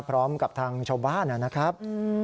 พร้อมกับทางชาวบ้านนะครับ